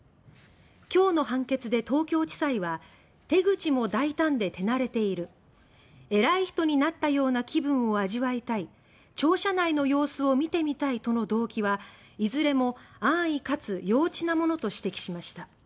今日の判決で東京地裁は手口も大胆で手慣れている偉い人になったような気分を味わいたい庁舎内の様子を見てみたいとの動機はいずれも安易かつ幼稚なものと指摘しました。